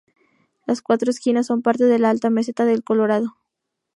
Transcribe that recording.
Las Cuatro Esquinas son parte de la alta Meseta del Colorado.